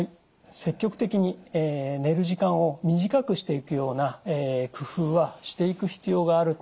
積極的に寝る時間を短くしていくような工夫はしていく必要があると思います。